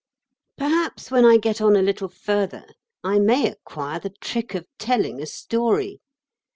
Perhaps when I get on a little further I may acquire the trick of telling a story.